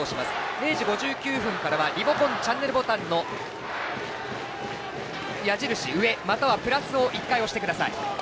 ０時５９分からはリモコンのチャンネルボタンの矢印上またはプラスを１回押してください。